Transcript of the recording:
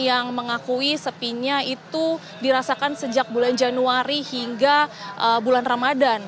ada pedagang yang mengakui sepinya itu dirasakan sejak bulan januari hingga bulan ramadhan